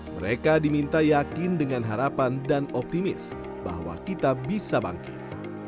mereka diminta yakin dengan harapan dan optimis bahwa kita bisa bangkit